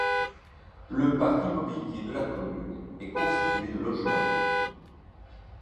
Le parc immobilier de la commune est constitué de logements.